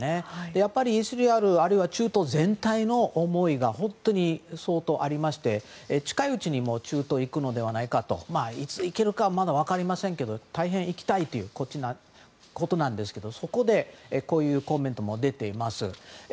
やっぱりイスラエルあるいは中東全体への思いが本当に相当ありまして近いうちにも中東に行くのではないかといつ行けるかはまだ分かりませんけど大変行きたいということなんですけどそこで、こういうコメントも出ています。